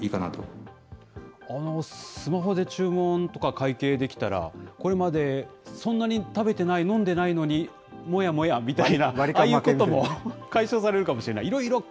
会計できたら、これまでそんなに食べてない、飲んでないのに、もやもやみたいな、ああいうことも解消されるかもしれない、